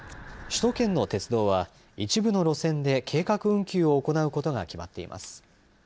首都圏の鉄道は一部の路線で計画運休を行うことが決まっています。